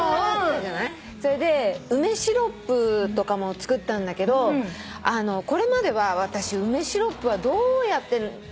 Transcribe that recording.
それで梅シロップとかも作ったんだけどこれまでは私梅シロップはどうやって。